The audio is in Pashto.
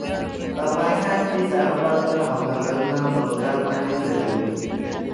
په افغانستان کې ساړه بادونه او کنګلونه پر کار بنديز لګوي.